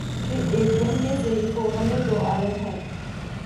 کہ ایک وہمِ ضعیف و غمِ دوعالم ہے